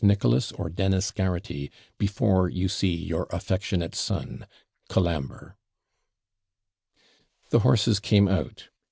Nicholas or Dennis Garraghty, before you see your affectionate son, COLAMBRE. The horses came out.